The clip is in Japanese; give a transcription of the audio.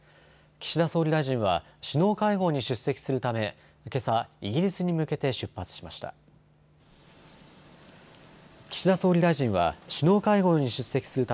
岸田総理大臣は首脳会合に出席するため、けさイギリスに向けて出発しました。